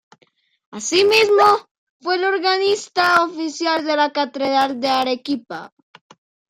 Asimismo, fue el organista oficial de la Catedral de Arequipa.